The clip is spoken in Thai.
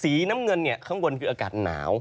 สีน้ำเงินข้างบนคืออากาศหนาว